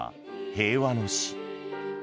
平和の詩。